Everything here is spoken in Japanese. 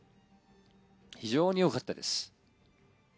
非常によかったです。